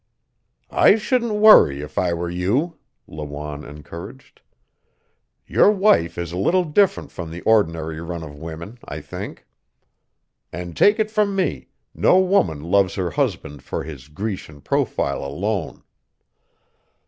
"I shouldn't worry, if I were you," Lawanne encouraged. "Your wife is a little different from the ordinary run of women, I think. And, take it from me, no woman loves her husband for his Grecian profile alone.